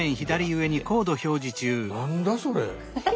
何だそれ。